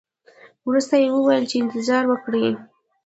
ورسته یې وویل چې انتظار وکړئ.